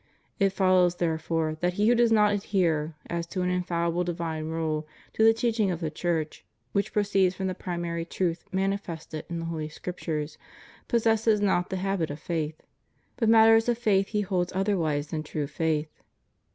It follows, therefore, that he who does not adhere, as to an infallible divine rule, to the teaching of the Church, which proceeds from the primary truth manifested in the Holy Scriptures, possesses not the habit of faith; but matters of faith he holds otherwise than true faith.